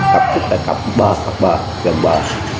cặp sức cặp bờ